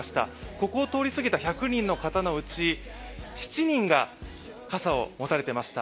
ここを通り過ぎた１００人の人のうち７人が傘を持たれていました。